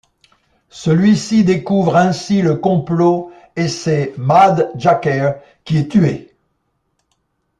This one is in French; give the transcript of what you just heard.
Celui-ci découvre ainsi le complot et c'est Maad Jakare qui est tué.